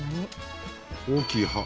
大きい葉。